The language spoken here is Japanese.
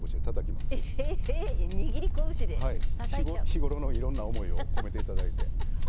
日頃のいろんな思いを込めて頂いて。